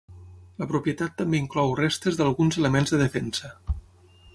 La propietat també inclou restes d'alguns elements de defensa.